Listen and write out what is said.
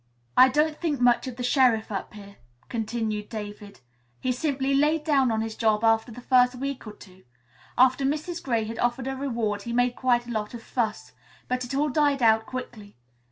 "I don't think much of the sheriff up here," continued David. "He simply laid down on his job after the first week or two. After Mrs. Gray had offered a reward he made quite a lot of fuss. But it all died out quickly.